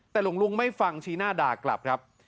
แต่หลวงลุงไม่ฟังชี้หน้าด่ากลับครับ